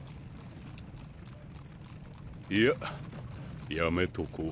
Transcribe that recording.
いややめとこう。